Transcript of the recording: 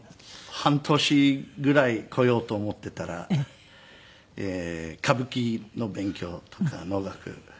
半年ぐらい来ようと思ってたら歌舞伎の勉強とか能楽。